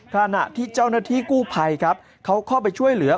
ขณะที่เจ้าหน้าที่กู้ภัยครับเขาเข้าไปช่วยเหลือ